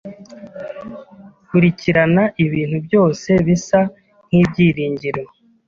Kurikirana ibintu byose bisa nkibyiringiro.